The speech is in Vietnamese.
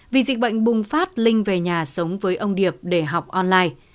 vì dịch bệnh bùng phát linh về nhà sống với ông điệp để học online